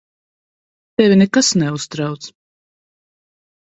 Tevi nekas neuztrauc.